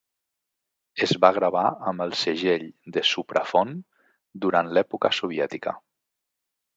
Es va gravar amb el segell de Supraphon durant l'època soviètica.